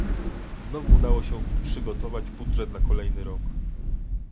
Znowu udało się przygotować budżet na kolejny rok